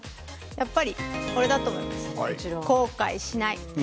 やっぱり、これだと思います後悔しない。